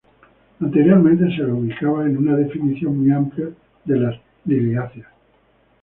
Anteriormente se la ubicaba en una definición muy amplia de las Liliáceas.